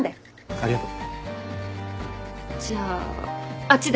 ありがとう。